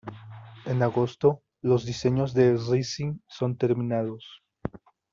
En agosto, los diseños de "Rising" son terminados.